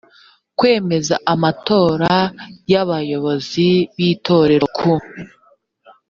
kwemeza amatora y abayobozi b itorero ku